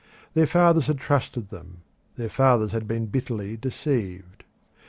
Their fathers had trusted them; their fathers had been bitterly deceived.